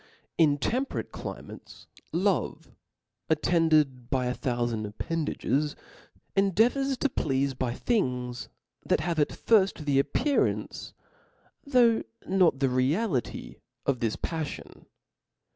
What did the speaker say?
In temperate climates, love attended by a thoufand appendages, endeavours to pleafe by things that have at firft the appearance, though not the. reality of this paf fion